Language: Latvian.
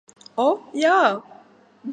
O, jā!